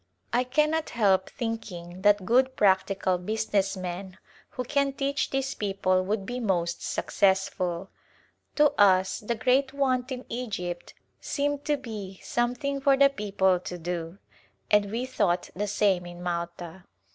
I cannot help thinking that good practical [i6] Otitzvard Journey business men who can teach these people would be most successful. To us the great want in Egypt seemed to be some thing for the people to do, and we thought the same in Malta.